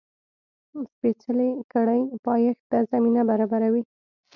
سپېڅلې کړۍ پایښت ته زمینه برابروي.